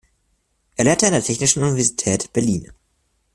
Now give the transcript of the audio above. Er lehrte an der Technischen Universität Berlin.